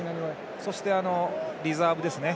そして、リザーブですね。